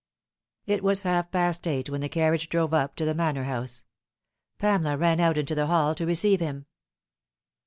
It was half past eight when the carriage drove up to the Manor House. Pamela ran out into the hall to receive him.